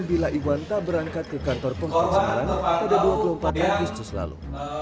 bila iwan tak berangkat ke kantor pemerintahan pada dua puluh empat agustus lalu